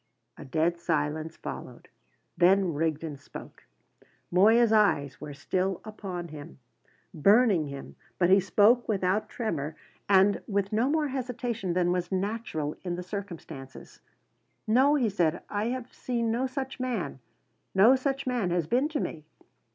'" A dead silence followed; then Rigden spoke. Moya's eyes were still upon him, burning him, but he spoke without tremor, and with no more hesitation than was natural in the circumstances. "No," he said, "I have seen no such man. No such man has been to me!"